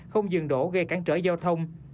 không dừng đổ gây cán trở giao thông